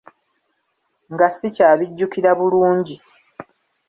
Nga sikyabijjukira bulungi.